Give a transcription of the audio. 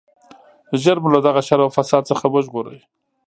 ژر مو له دغه شر او فساد څخه وژغورئ.